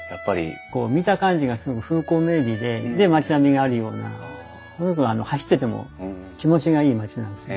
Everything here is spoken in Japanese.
こう見た感じがすごく風光明美でで町並みがあるようなすごく走ってても気持ちがいい町なんですね。